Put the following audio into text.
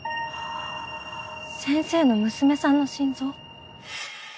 先生の娘さんの心臓？